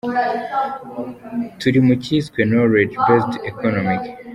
Turi mu cyiswe "knowledge based economy".